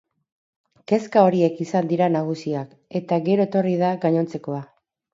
Kezka horiek izan dira nagusiak, eta gero etorri da gainontzekoa.